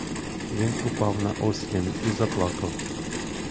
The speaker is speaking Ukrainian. Він упав на ослін і заплакав.